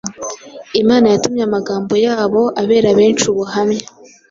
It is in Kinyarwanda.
Imana yatumye amagambo yabo abera benshi ubuhamya